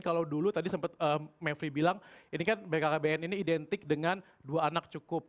kalau dulu tadi sempat mevri bilang ini kan bkkbn ini identik dengan dua anak cukup